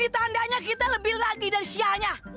tandanya kita lebih lagi dari sianya